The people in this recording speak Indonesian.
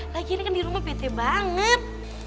lagian kan di rumah pt banget